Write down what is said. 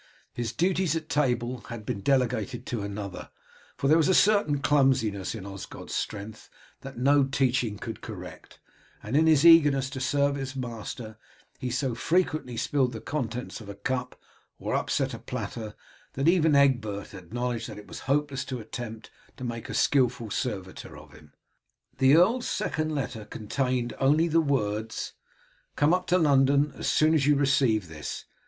His duties at table had been delegated to another, for there was a certain clumsiness in Osgod's strength that no teaching could correct; and in his eagerness to serve his master he so frequently spilled the contents of a cup, or upset a platter, that even Egbert acknowledged that it was hopeless to attempt to make a skilful servitor of him. The earl's second letter contained only the words: "Come up to London as soon as you receive this.